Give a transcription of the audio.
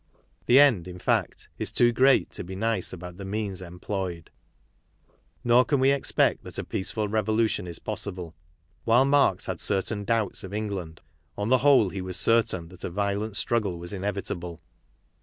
The end, in fact, is too great to be nice about the means employed. 7; Nor can we expect that a. peaceful revolution is pos jsible. While Marx had certain doubts of England, on the whole he was certain that a violent . struggle was inevitable.